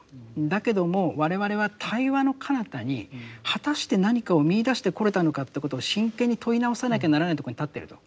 だけども我々は対話のかなたに果たして何かを見いだしてこれたのかってことを真剣に問い直さなきゃならないとこに立ってると。